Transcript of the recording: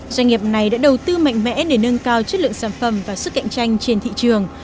doanh nghiệp này đã đầu tư mạnh mẽ để nâng cao chất lượng sản phẩm và sức cạnh tranh trên thị trường